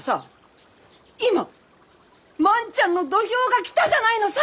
今万ちゃんの土俵が来たじゃないのさ！